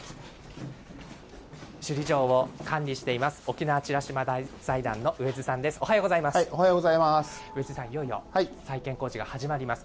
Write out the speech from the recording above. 首里城を管理しています沖縄美ら島財団の上江洲さんです。